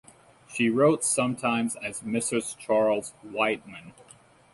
She wrote sometimes as Mrs Charles Wightman.